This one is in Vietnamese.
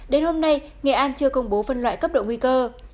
đến hôm nay nghệ an chưa công bố phân loại cấp độ nguy cơ